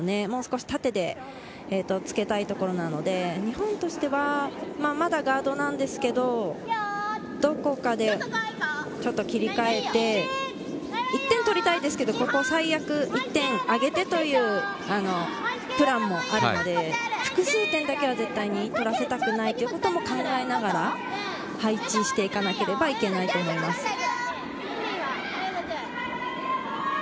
もう少し縦でつけたいところなので、日本としてはまだガードですけれど、どこかでちょっと切り替えて１点取りたいですけれど、最悪１点あげてというプランもあるので、複数点だけは絶対に取らせたくないことも考えながら配置していかなければいけないです。